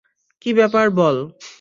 কি ব্যাপার বল।